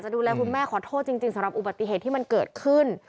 ดูแลคุณแม่ขอโทษจริงสำหรับอุบัติเหตุที่มันเกิดขึ้น